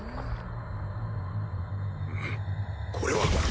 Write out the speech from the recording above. んこれは。